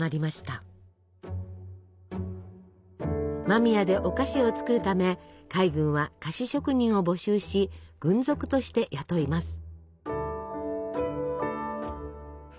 間宮でお菓子を作るため海軍は菓子職人を募集し軍属として雇います。